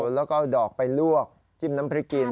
แล้วก็เอาดอกไปลวกจิ้มน้ำพริกกิน